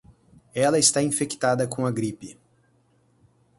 Ela está infectada com a gripe.